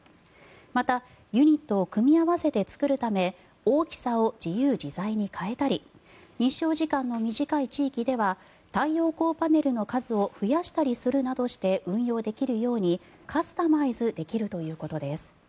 また、ユニットを組み合わせて作るため大きさを自由自在に変えたり日照時間の短い地域では太陽光パネルの数を増やしたりするなどして運用できるようにカスタマイズできるということです。